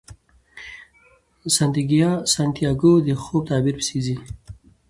سانتیاګو د خوب تعبیر پسې ځي.